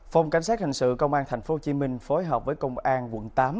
phòng cảnh sát hình sự công an thành phố hồ chí minh phối hợp với công an quận tám